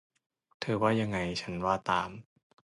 เธอว่ายังไง ฉันว่าตาม